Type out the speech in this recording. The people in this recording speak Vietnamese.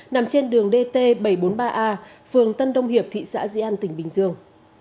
nằm trên đường dt bảy trăm bốn mươi ba a phường tân đông hiệp thị xã di an tỉnh bình dương